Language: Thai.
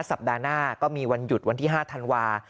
สัปดาห์หน้าก็มีวันหยุดวันที่๕ธันวา